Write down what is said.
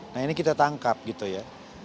nah ini kita tangkap gitu ya